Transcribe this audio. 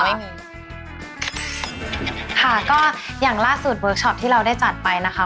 ไม่มีค่ะก็อย่างล่าสุดเวิร์คชอปที่เราได้จัดไปนะคะ